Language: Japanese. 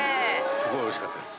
すごいおいしかったです。